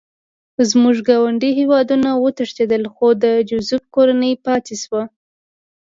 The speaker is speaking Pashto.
زموږ ګاونډي یهودان وتښتېدل خو د جوزف کورنۍ پاتې شوه